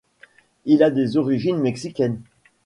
Il a des origines mexicaines.